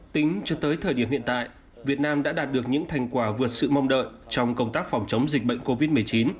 tính cho tới thời điểm hiện tại việt nam đã đạt được những thành quả vượt sự mong đợi trong công tác phòng chống dịch bệnh covid một mươi chín